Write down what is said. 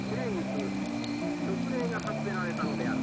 特例が発せられたのである。